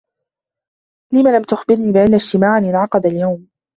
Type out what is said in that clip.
لمَ لمْ تخبرني بأنّ اجتماعًا انعقد اليوم؟